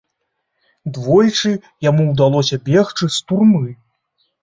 Двойчы яму ўдалося бегчы з турмы.